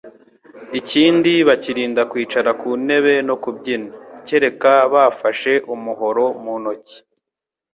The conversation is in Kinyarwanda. Ikindi bakirinda kwicara ku ntebe no kubyina, kereka bafashe umuhoro mu ntoki,